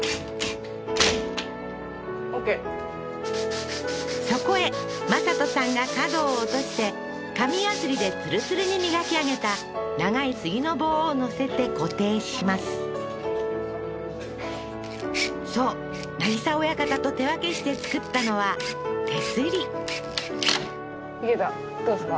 オーケーそこへ魔裟斗さんが角を落として紙やすりでツルツルに磨き上げた長い杉の棒を乗せて固定しますそう渚親方と手分けして作ったのはいけたどうですか？